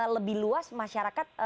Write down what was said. lebih luas masyarakat